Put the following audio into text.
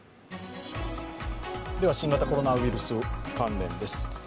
では新型コロナウイルス関連です。